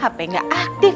hape gak aktif